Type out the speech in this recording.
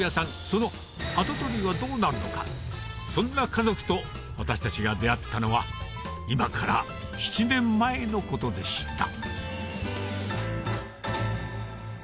その跡取りはどうなるのかそんな家族と私たちが出会ったのは今から７年前のことでした